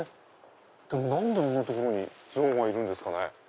でも何であんな所に象がいるんですかね？